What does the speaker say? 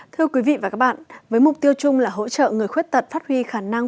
thưa quý vị và các bạn với mục tiêu chung là hỗ trợ người khuyết tật phát huy khả năng